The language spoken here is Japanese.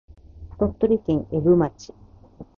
鳥取県江府町